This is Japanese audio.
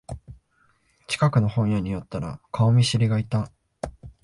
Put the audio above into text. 近くの本屋に寄ったら顔見知りがいた